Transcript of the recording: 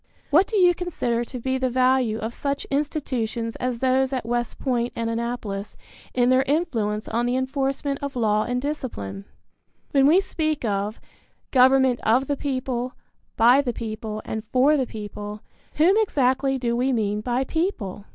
What do you consider to be the value of such institutions as those at West Point and Annapolis in their influence on the enforcement of law and discipline? When we speak of "Government of the people, by the people, and for the people," whom exactly do we mean by "people"?